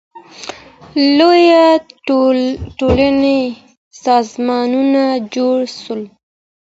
لوی تولیدي سازمانونه جوړ سول.